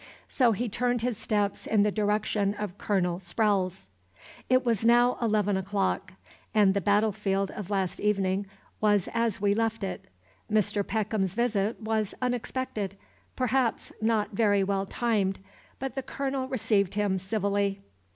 So he turned his steps in the direction of Colonel Sprowle's. It was now eleven o'clock, and the battle field of last evening was as we left it. Mr. Peckham's visit was unexpected, perhaps not very well timed, but the Colonel received him civilly.